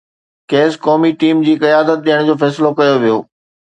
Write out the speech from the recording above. کيس قومي ٽيم جي قيادت ڏيڻ جو فيصلو ڪيو ويو.